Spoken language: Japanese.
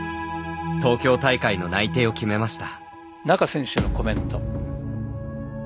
東京大会の内定を決めました。